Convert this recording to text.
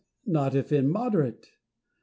not if immoderate ?